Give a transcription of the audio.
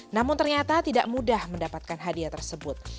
namun ternyata tidak mudah mendapatkan hadiah tersebut